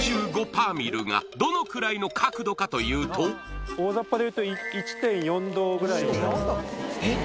パーミルがどのくらいの角度かというと大ざっぱでいうと１．４度ぐらいになりますえっ？